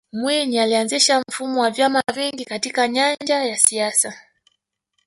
mwinyi alianzisha mfumo wa vyama vingi katika nyanja ya siasa